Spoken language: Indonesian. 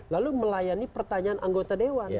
lalu melayani pertanyaan anggota dewan